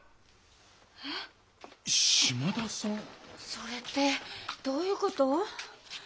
それってどういうこと？